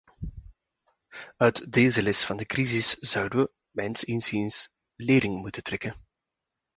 Uit deze les van de crisis zouden we, mijns inziens, lering moeten trekken.